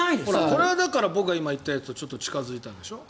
これは僕が言ったやつとちょっと近付いたでしょ？